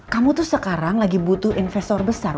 kamu tuh sekarang lagi butuh investor besar